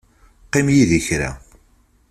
Qqim yid-i kra.